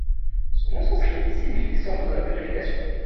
Son nom sanskrit signifie: centre de la purification.